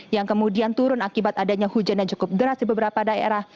yang kemudian turun akibat adanya hujan yang cukup deras di beberapa daerah